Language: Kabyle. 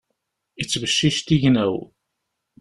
Ittbeccic tignaw.